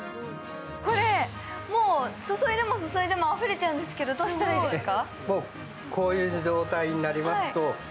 これ、もう注いでも注いでもあふれちゃうんですが、どうしたらいいですか。